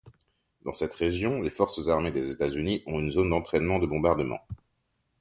Dans cette région, les Forces armées des États-Unis ont une zone d'entraînement de bombardement.